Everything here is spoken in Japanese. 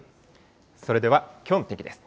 それではきょうの天気です。